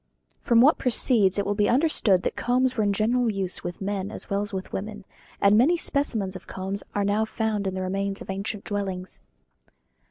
From what precedes it will be understood that combs were in general use with men as well as with women; and many specimens of combs are now found in the remains of ancient dwellings.